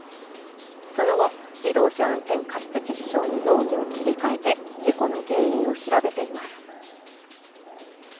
その後、自動車運転過失致死傷に容疑を切り替えて事故の原因を調べています。